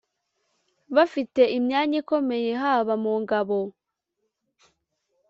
bafite imyanya ikomeye haba mu ngabo